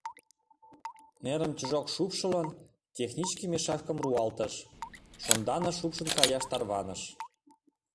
Нерым чжок шупшылын, техничке мешакым руалтыш, шонданыш шупшын каяш тарваныш.